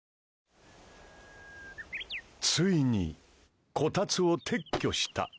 ついにこたつを撤去した。